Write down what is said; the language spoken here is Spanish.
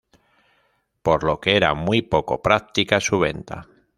Por lo que era muy poco práctica su venta.